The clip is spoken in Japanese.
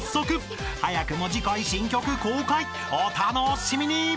［お楽しみに！］